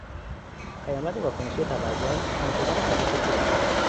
پیامد واکنشی تورم، کم شدن ارزش پول است.